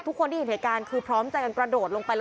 ทุกคนที่เห็นเหตุการณ์คือพร้อมใจกันกระโดดลงไป